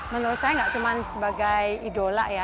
menurut saya nggak cuma sebagai idola ya